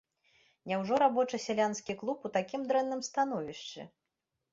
Няўжо рабоча-сялянскі клуб у такім дрэнным становішчы?